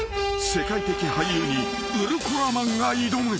世界的俳優にウルコラマンが挑む］